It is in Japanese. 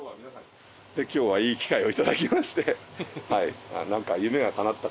今日はいい機会をいただきまして。